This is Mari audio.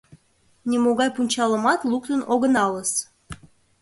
Нимогай пунчалымат луктын огыналыс.